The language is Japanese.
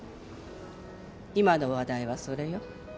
今の話題はそれよ。